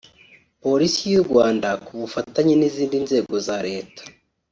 Polisi y’u Rwanda ku bufatanye n’izindi nzego za Leta